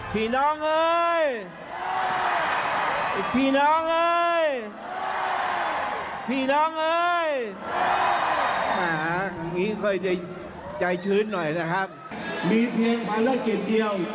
สร้างความกระหลืนเรืองให้ประเทศไทย